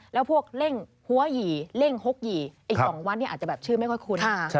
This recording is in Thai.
แล้วพวกเร่งหัวหยี่เร่ง๖หยี่อีก๒วันเนี่ยอาจจะแบบชื่อไม่ค่อยคุ้น